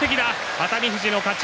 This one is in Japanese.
熱海富士の勝ち。